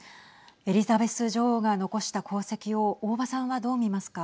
エリザベス女王が残した功績を大庭さんは、どう見ますか。